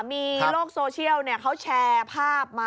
มีโลกโซเชียลเขาแชร์ภาพมา